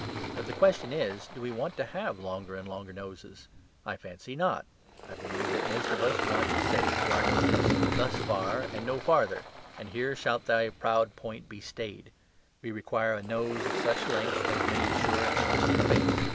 But the question is, do we want to have longer and longer noses? I fancy not; I believe that we most of us want to say to our noses, "thus far, and no farther; and here shall thy proud point be stayed:" we require a nose of such length as may ensure an interesting face.